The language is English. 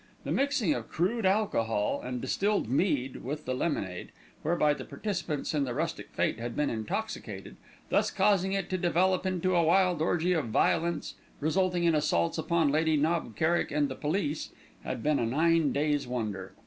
The mixing of crude alcohol and distilled mead with the lemonade, whereby the participants in the rustic fête had been intoxicated, thus causing it to develop into a wild orgy of violence, resulting in assaults upon Lady Knob Kerrick and the police, had been a nine days' wonder.